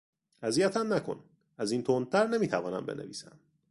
اذیتم نکن! از این تندتر نمیتوانم بنویسم!